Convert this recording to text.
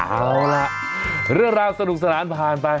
เอาล่ะเรื่องราวสนุกสนานผ่านไป